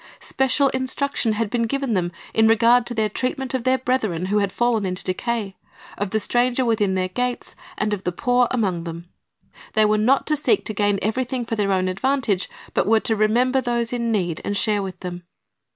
Special instruction had been given them in regard to their treatment of their brethren who had fallen into decay, of the stranger within their gates, and of the poor among them. They were not to seek to gain everything for their own advantage, but were to remember those in need, and share w'ith them.